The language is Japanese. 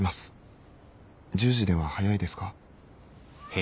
１０時では早いですか？」。